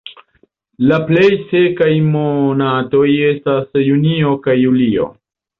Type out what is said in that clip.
La plej sekaj monatoj estas junio kaj julio.